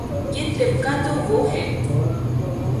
یہ طبقہ تو وہ ہے۔